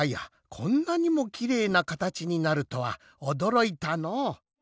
こんなにもきれいなかたちになるとはおどろいたのう。